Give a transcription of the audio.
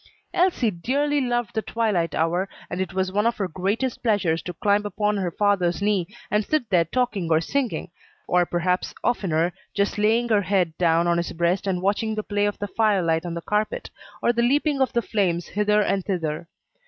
Elsie dearly loved the twilight hour, and it was one of her greatest pleasures to climb upon her father's knee and sit there talking or singing, or perhaps, oftener, just laying her head down on his breast and watching the play of the fire light on the carpet, or the leaping of the flame hither and thither.